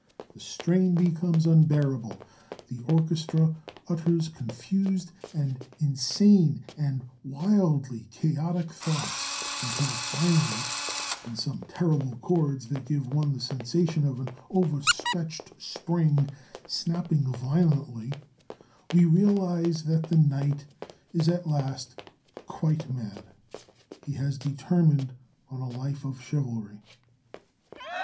The strain becomes unbearable; the orchestra utters confused and insane and wildly chaotic thoughts; until finally, "in some terrible chords that give one the sensation of an overstretched spring snapping violently," we realize that the Knight is at last quite mad. He has determined on a life of chivalry.